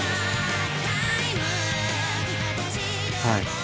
はい。